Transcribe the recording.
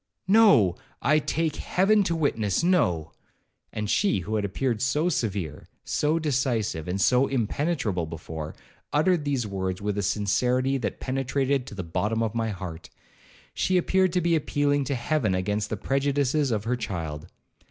'No, I take Heaven to witness,—no;' and she, who had appeared so severe, so decisive, and so impenetrable before, uttered these words with a sincerity that penetrated to the bottom of my heart;—she appeared to be appealing to Heaven against the prejudices of her child.